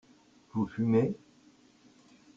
Vous fumez ?